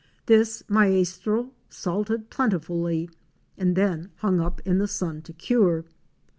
This Maestro salted plenti fully and then hung up in the sun to cure.